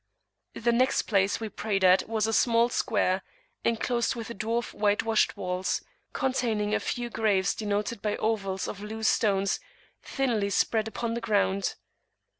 The next place we prayed at was a small square, enclosed with dwarf whitewashed walls, containing a few graves denoted by ovals of loose stones thinly spread upon the ground.